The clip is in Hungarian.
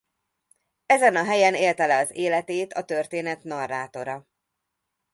Ezen a helyen élte le az életét a történet narrátora.